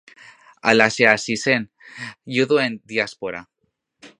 Halaxe hasi zen juduen diaspora.